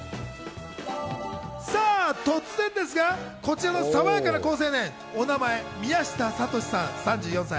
突然ですがこちらのさわやかな好青年、お名前、宮下聡さん３４歳。